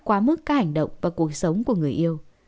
quá mức các hành động và cuộc sống của người yêu